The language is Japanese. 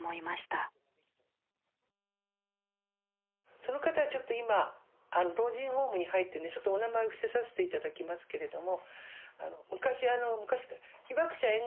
その方はちょっと今老人ホームに入ってるんでちょっとお名前を伏せさせて頂きますけれども。